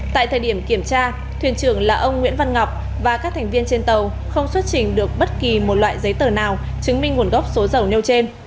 tại thời điểm kiểm tra thuyền trưởng là ông nguyễn văn ngọc và các thành viên trên tàu không xuất trình được bất kỳ một loại giấy tờ nào chứng minh nguồn gốc số dầu nêu trên